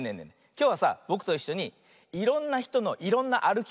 きょうはさぼくといっしょにいろんなひとのいろんなあるきかたをやってみよう。